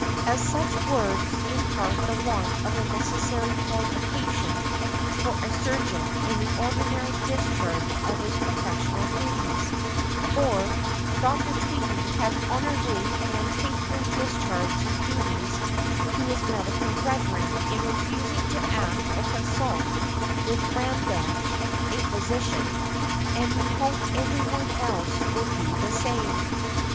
As such words impart the want of a necessary qualification for a surgeon in the ordinary discharge of his professional duties; or, "Dr. Tweedie has honorably and faithfully discharged his duties to his |132| medical brethren in refusing to act or consult with Ramadge (a physician), and we hope every one else will do the same" .